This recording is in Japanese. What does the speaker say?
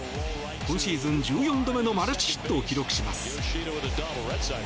今シーズン１４度目のマルチヒットを記録します。